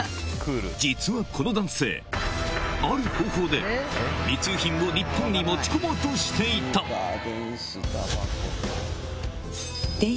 実はこの男性ある方法で密輸品を日本に持ち込もうとしていたほら。